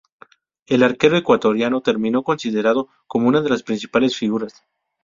El arquero ecuatoriano terminó considerado como una de las principales figuras.